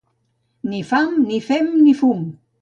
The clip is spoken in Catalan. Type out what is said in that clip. Ni fam, ni fem, ni fum.